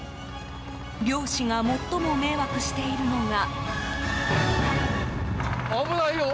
漁師が最も迷惑しているのが。